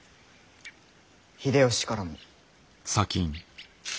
秀吉からも。